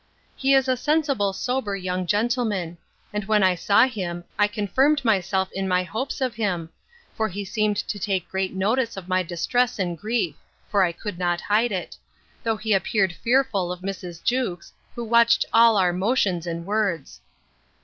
He is a sensible sober young gentleman; and when I saw him I confirmed myself in my hopes of him; for he seemed to take great notice of my distress and grief; (for I could not hide it;) though he appeared fearful of Mrs. Jewkes, who watched all our motions and words.